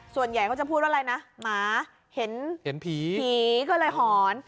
ส่วนใหญ่เขาจะพูดว่าอะไรนะหมาเห็นผีผีก็เลยหอน